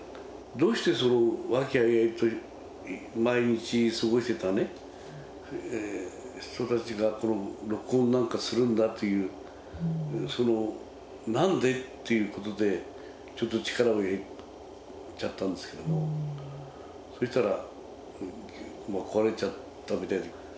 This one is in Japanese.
どうして、それを、和気あいあいと毎日過ごしていた人たちが、こんな録音なんかするんだという、その、なんでっていうことで、ちょっと力を入れちゃったんですけど、そうしたらまあ、壊れちゃったみたいな。